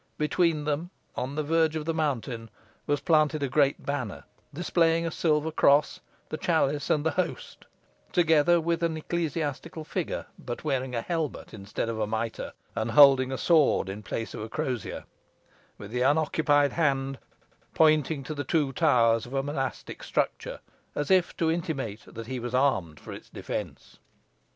Between them, on the verge of the mountain, was planted a great banner, displaying a silver cross, the chalice, and the Host, together with an ecclesiastical figure, but wearing a helmet instead of a mitre, and holding a sword in place of a crosier, with the unoccupied hand pointing to the two towers of a monastic structure, as if to intimate that he was armed for its defence.